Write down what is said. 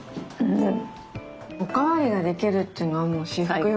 お代わりができるっていうのはもう至福よね。